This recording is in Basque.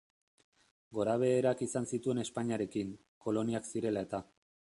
Gorabeherak izan zituen Espainiarekin, koloniak zirela eta.